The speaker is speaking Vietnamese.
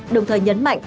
đồng thời nhấn mạnh